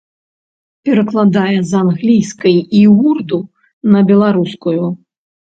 Перакладае з англійскай і ўрду на беларускую.